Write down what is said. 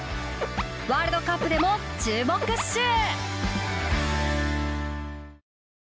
ワールドカップでも注目っシュ！